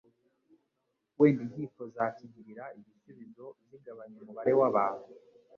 Wenda inkiko zakigirira igisubizo zigabanya umubare w'abantu